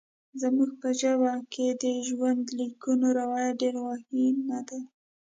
زموږ په ژبه کې د ژوندلیکونو روایت ډېر غوښین نه دی.